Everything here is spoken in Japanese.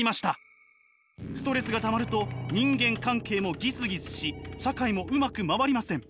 ストレスがたまると人間関係もギスギスし社会もうまく回りません。